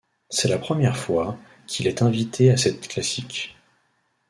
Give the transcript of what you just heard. C'est la première fois qu'il est invité à cette classique.